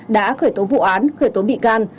đã khởi tố vụ án khởi tố bị can